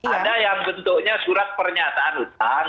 ada yang bentuknya surat pernyataan hutang